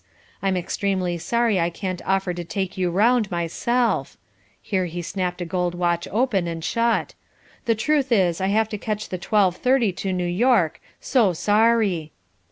I'm extremely sorry I can't offer to take you round myself," here he snapped a gold watch open and shut, "the truth is I have to catch the twelve thirty to New York so sorry."